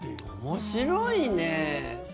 面白いね。